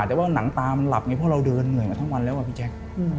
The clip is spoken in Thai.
แต่ว่าหนังตามันหลับไงเพราะเราเดินเหนื่อยมาทั้งวันแล้วอะพี่แจ๊ค